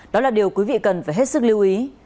đó là điều quý vị cần phải hết sức lưu ý